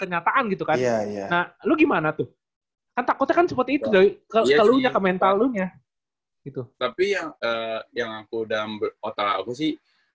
yang aku udah otak aku sih